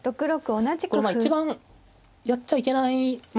このまあ一番やっちゃいけないまあ